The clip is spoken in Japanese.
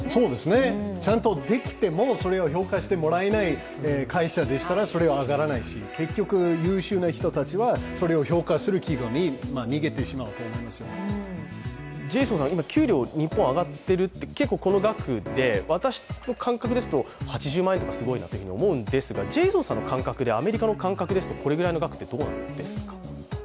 ちゃんとできでも、それを評価してもらえない会社でしたらそれは上がらないし、結局、優秀な人たちはそれを評価する企業に給料が上がってると、この額で私の感覚ですと、８０万円とかすごいなって思うんですがジェイソンさんの感覚、アメリカの感覚ですと、これぐらいの額ってどうなんですか？